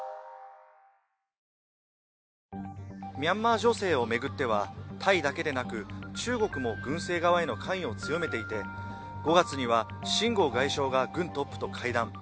ミャンマー情勢を巡ってはタイだけでなく中国も軍政側への関与を強めていて、５月には秦剛外相が軍トップと会談。